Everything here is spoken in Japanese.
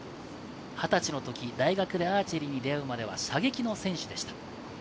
２０歳のとき大学でアーチェリーに出会うまでは射撃の選手でした。